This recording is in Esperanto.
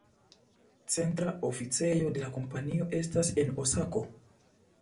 Centra oficejo de la kompanio estas en Osako.